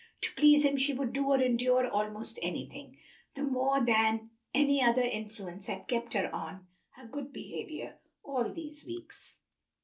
To please him she would do or endure almost anything; that more than any other influence had kept her on her good behavior all these weeks.